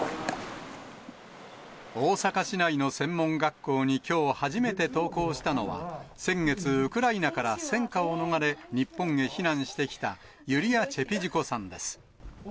大阪市内の専門学校にきょう初めて登校したのは、先月、ウクライナから戦火を逃れ、日本へ避難してきたユリア・チェピジコさんです。